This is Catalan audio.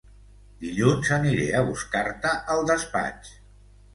Dilluns aniré a buscar-te al despatx